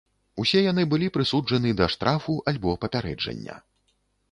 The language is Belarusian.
Усе яны былі прысуджаны да штрафу альбо папярэджання.